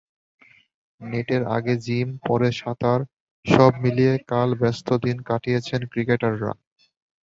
নেটের আগে জিম, পরে সাঁতার—সব মিলিয়ে কাল ব্যস্ত দিন কাটিয়েছেন ক্রিকেটাররা।